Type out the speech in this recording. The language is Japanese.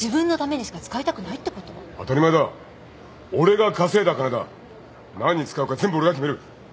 当たり前だ俺が稼いだ金だ何に使うか全部俺が決める。